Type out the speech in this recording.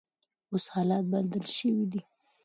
اوس حالات بدل شوي دي.